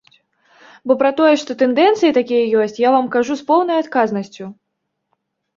Бо пра тое, што тэндэнцыі такія ёсць, я вам кажу з поўнай адказнасцю.